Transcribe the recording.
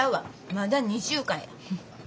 まだ２週間や。